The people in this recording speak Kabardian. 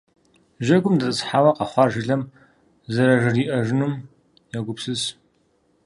Жьэгум дэтӀысхьауэ, къэхъуар жылэм зэражриӏэжынум йогупсыс.